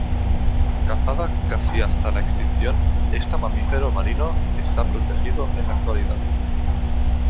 Cazada casi hasta la extinción, esta mamífero marino está protegido en la actualidad.